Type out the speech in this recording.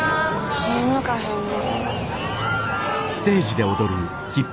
気ぃ向かへんな。